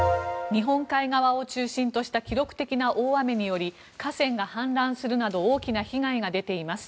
日本海側を中心とした記録的な大雨により河川が氾濫するなど大きな被害が出ています。